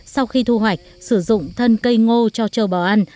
sau khi thu hoạch sử dụng thân cây ngô cho trâu bò ăn